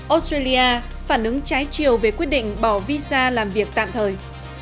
australia phản ứng trái chiều về quyết định bỏ visa làm việc tạm thời